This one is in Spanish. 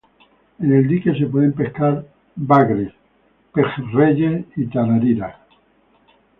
En el dique se pueden pescar bagres, pejerreyes y tarariras.